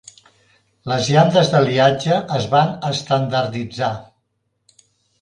Les llandes d'aliatge es van estandarditzar.